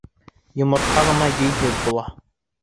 Йомортҡа ғына йөйһөҙ була.